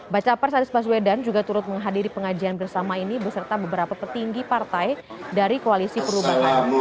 baca persaris baswedan juga turut menghadiri pengajian bersama ini beserta beberapa petinggi partai dari koalisi perubahan